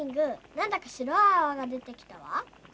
なんだかしろいあわがでてきたわ。